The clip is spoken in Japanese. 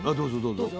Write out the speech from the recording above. どうぞ。